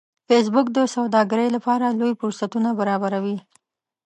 فېسبوک د سوداګرۍ لپاره لوی فرصتونه برابروي